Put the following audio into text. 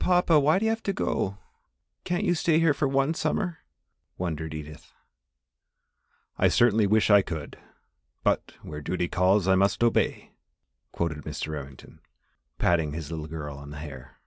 "Papa, why do you have to go can't you stay here for one summer?" wondered Edith. "I certainly wish I could, but 'where duty calls I must obey,'" quoted Mr. Remington, patting his little girl on the hair.